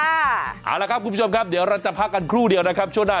เอาละครับคุณผู้ชมครับเดี๋ยวเราจะพักกันครู่เดียวนะครับช่วงหน้า